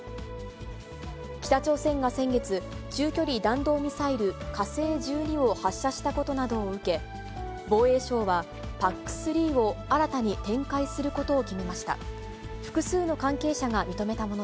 北朝鮮が先月、中距離弾道ミサイル、火星１２を発射したことなどを受け、防衛省は、ＰＡＣ３を新たに展開することを決めました。